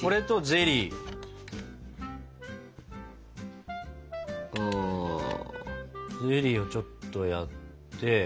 ゼリーをちょっとやって。